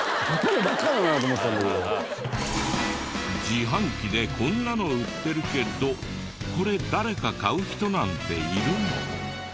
自販機でこんなの売ってるけどこれ誰か買う人なんているの！？